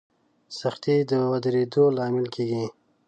سختي د ودرېدو لامل کېږي.